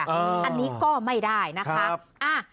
อันนี้ก็ไม่ได้นะคะ